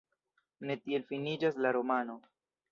Ne tiel finiĝas la romano.